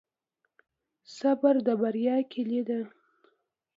صبر د بریا کیلي ده